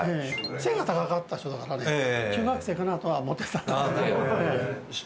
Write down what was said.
背が高かった人だからね中学生かなとは思ってた。